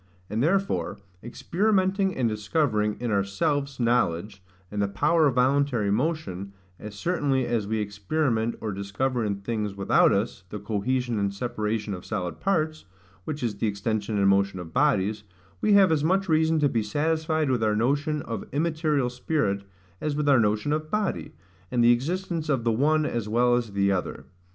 And therefore experimenting and discovering in ourselves knowledge, and the power of voluntary motion, as certainly as we experiment, or discover in things without us, the cohesion and separation of solid parts, which is the extension and motion of bodies; we have as much reason to be satisfied with our notion of immaterial spirit, as with our notion of body, and the existence of the one as well as the other.